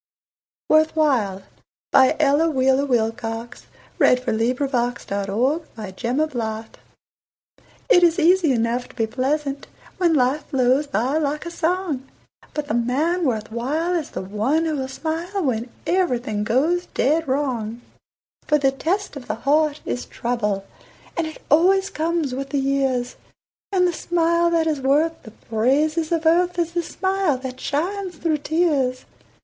jects: Wikidata item. 122040Poems of Cheer — Worth while1914Ella Wheeler Wilcox It is easy enough to be pleasant When life flows by like a song, But the man worth while is the one who will smile When everything goes dead wrong. For the test of the heart is trouble, And it always comes with the years, And the smile that is worth the praises of earth Is the smile that shines through tears.